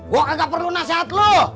gue gak perlu nasihat lo